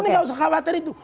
jadi gak usah khawatir itu